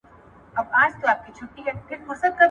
انسان د ژوند له حق څخه محرومېدای سي.